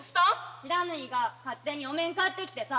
不知火が勝手にお面買ってきてさ。